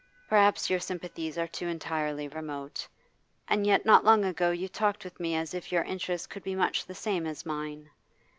Perhaps your sympathies are too entirely remote; and yet not long ago you talked with me as if your interests could be much the same as mine.